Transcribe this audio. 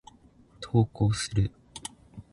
投稿する。